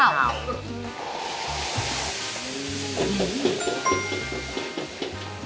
เอาแล้ว